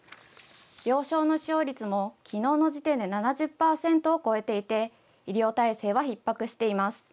病床の使用率もきのうの時点で７０％を超えていて医療体制はひっ迫しています。